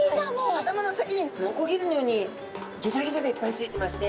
頭の先にノコギリのようにギザギザがいっぱいついてまして。